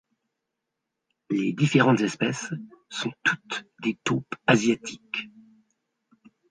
Les différentes espèces sont toutes des taupes asiatiques.